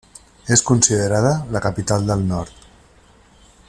És considerada la capital del Nord.